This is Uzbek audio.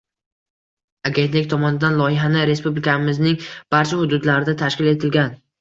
Agentlik tomonidan loyihani respublikamizning barcha hududlarida tashkil etilgan.